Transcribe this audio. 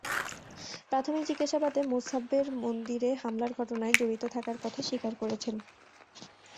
প্রাথমিক জিজ্ঞাসাবাদে মোছাব্বের মন্দিরে হামলার ঘটনায় জড়িত থাকার কথা স্বীকার করেছেন।